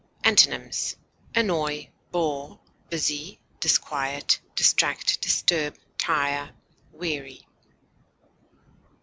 Antonyms: annoy, bore, busy, disquiet, distract, disturb, tire, weary.